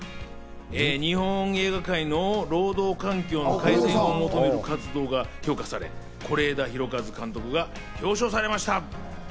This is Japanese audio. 日本映画界の労働環境の改善を求める活動が評価され、是枝裕和監督が表彰されました。